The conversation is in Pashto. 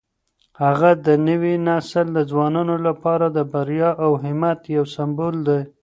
هغه د نوي نسل د ځوانانو لپاره د بریا او همت یو سمبول دی.